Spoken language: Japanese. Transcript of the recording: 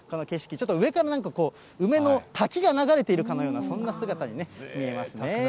ちょっと上から梅の滝が流れているかのような、そんな姿に見えますね。